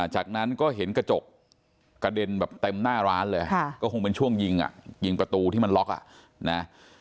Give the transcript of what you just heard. จากนั้นก็เห็นกระจกกระเด็นแบบเต็มหน้าร้านเลยก็คงเป็นช่วงยิงอ่ะยิงยิงประตูที่มันล็อกอ่ะนะ